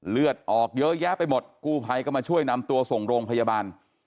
เลือดออกเยอะแยะไปหมดกู้ภัยก็มาช่วยนำตัวส่งโรงพยาบาล